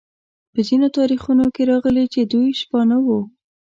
په ځینو تاریخونو کې راغلي چې دوی شپانه وو.